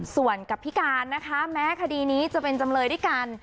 ส่วนกับพิการนะคะแม้คดีนี้จะเป็นจำเลยด้วยกัน